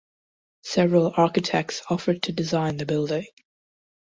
Several architects offered to design the building.